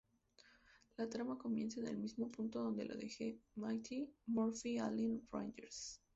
La trama comienza en el mismo punto donde lo dejó "Mighty Morphin Alien Rangers".